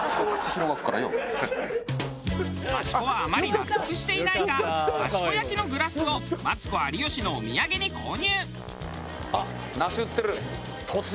益子はあまり納得していないが益子焼のグラスをマツコ有吉のお土産に購入。